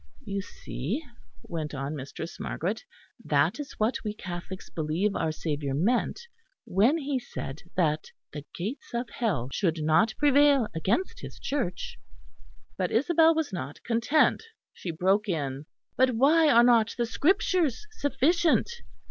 "You see," went on Mistress Margaret, "that is what we Catholics believe our Saviour meant when He said that the gates of hell should not prevail against His Church." But Isabel was not content. She broke in: "But why are not the Scriptures sufficient?